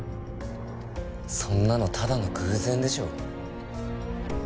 そんなのただの偶然でしょう。